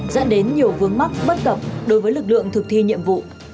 dẫn đến nhiều vướng mắc bất cập đối với lực lượng thực thi nhiệm vụ